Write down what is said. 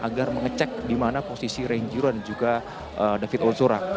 agar mengecek di mana posisi renjiro dan juga david ozora